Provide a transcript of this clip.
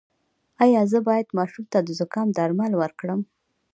ایا زه باید ماشوم ته د زکام درمل ورکړم؟